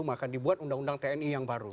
maka dibuat undang undang tni yang baru